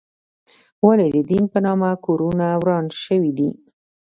ولې د دین په نامه کورونه وران شوي دي؟